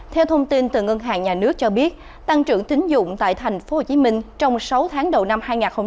theo thông tin từ ngân hàng nhà nước cho biết tăng trưởng tính dụng tại tp hcm trong sáu tháng đầu năm hai nghìn hai mươi